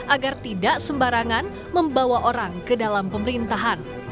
agar tidak sembarangan membawa orang ke dalam pemerintahan